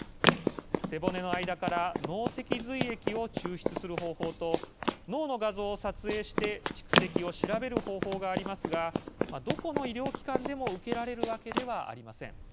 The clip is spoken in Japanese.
背骨の間から脳脊髄液を抽出する方法と脳の画像を撮影して蓄積を調べる方法がありますがどこの医療機関でも受けられるわけではありません。